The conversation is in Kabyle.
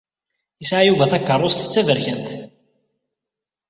Yesɛa Yuba takeṛṛust d taberkant.